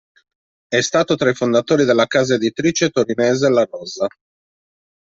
È stato tra i fondatori della casa editrice torinese La Rosa.